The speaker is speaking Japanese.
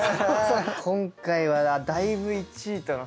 今回はだいぶ１位との差が。